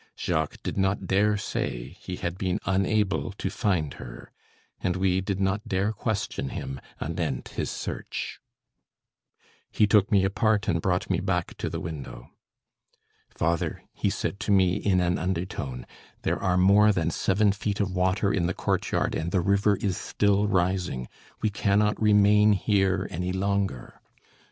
Jacques did not dare say he had been unable to find her, and we did not dare question him anent his search. He took me apart and brought me back to the window. "Father," he said to me in an undertone, "there are more than seven feet of water in the courtyard, and the river is still rising. We cannot remain here any longer."